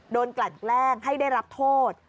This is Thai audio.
กลั่นแกล้งให้ได้รับโทษ